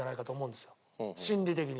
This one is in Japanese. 心理的に。